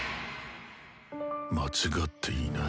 間違っていない。